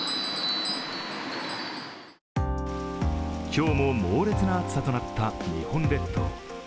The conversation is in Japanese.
今日も猛烈な暑さとなった日本列島。